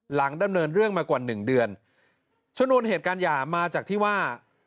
ดำเนินเรื่องมากว่าหนึ่งเดือนชนวนเหตุการณ์หย่ามาจากที่ว่า